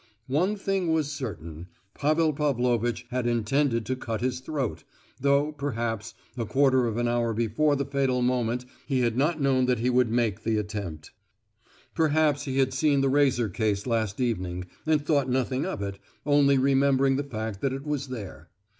One thing was quite certain, Pavel Pavlovitch had intended to cut his throat, though, perhaps, a quarter of an hour before the fatal moment he had not known that he would make the attempt. Perhaps he had seen the razor case last evening, and thought nothing of it, only remembering the fact that it was there.